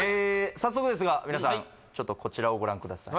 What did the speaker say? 早速ですが皆さんちょっとこちらをご覧ください